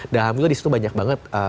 dan alhamdulillah disitu banyak banget